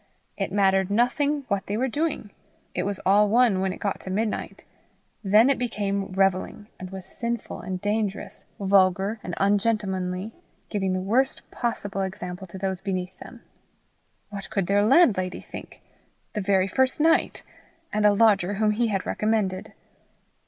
It mattered nothing what they were doing! it was all one when it got to midnight! then it became revelling, and was sinful and dangerous, vulgar and ungentlemanly, giving the worst possible example to those beneath them! What could their landlady think? the very first night? and a lodger whom he had recommended?